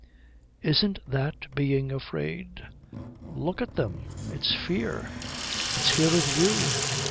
"Isn't that being afraid? Look at them. It's fear. It's fear of you.